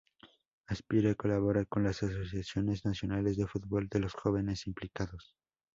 Aspire colabora con las asociaciones nacionales de fútbol de los jóvenes implicados.